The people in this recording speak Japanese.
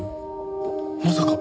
まさか！